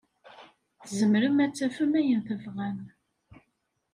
Tzemrem ad tafem ayen tebɣam.